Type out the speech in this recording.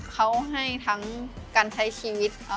เขาให้ทั้งการใช้ชีวิต